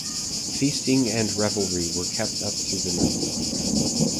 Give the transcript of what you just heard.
Feasting and revelry were kept up through the night.